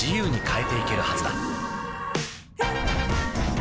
え